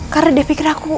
karena dia pikir aku